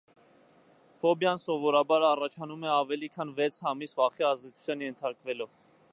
Ֆոբիան սովորաբար առաջանում է ավելի քան վեց ամիս վախի ազդեցությանը ենթարկվելով։